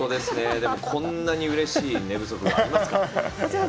でも、こんなにうれしい寝不足はありますか？